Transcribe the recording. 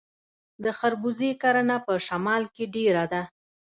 د خربوزې کرنه په شمال کې ډیره ده.